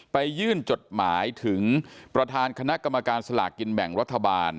ไปยื่นจดหมายถึงประธานคณะกรรมการสลากกินแบ่งรัฐบาล